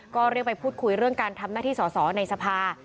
ก็เรียกไปพูดคุยเรื่องการทำหน้าที่สอสอในสภา